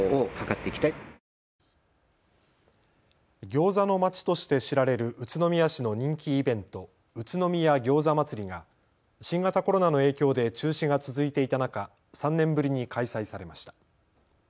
ギョーザの街として知られる宇都宮市の人気イベント、宇都宮餃子祭りが新型コロナの影響で中止が続いていた中、３年ぶりに開催されました。